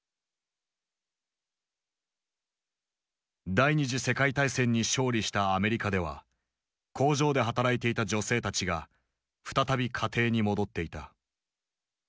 第二次世界大戦に勝利したアメリカでは工場で働いていた女性たちが再び家庭に戻っていた。